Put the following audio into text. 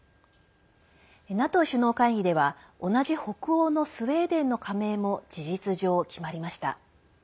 ＮＡＴＯ首脳会議では同じ北欧のスウェーデンの加盟も事実上、決まりました。